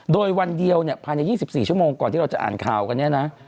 โดยวันเดียวเนี่ยภายใน๒๔ชั่วโมงก่อนที่เราจะอ่านข่าวกันเนี่ยนะ